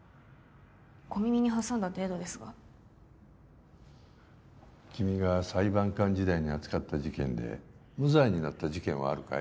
小耳に挟んだ程度ですが君が裁判官時代に扱った事件で無罪になった事件はあるかい？